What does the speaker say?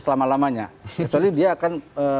selama lamanya kecuali dia akan